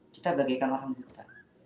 kita bagikan alhamdulillah